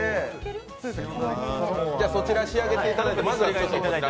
そちら仕上げていただいて。